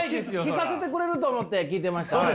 聞かせてくれると思って聞いてました。